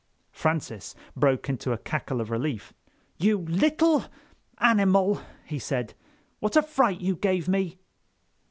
Francis broke into a cackle of relief. "You little—animal," he said. "What a fright you gave me."